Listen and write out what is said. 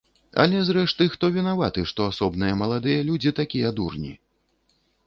Але, зрэшты, хто вінаваты, што асобныя маладыя людзі такія дурні?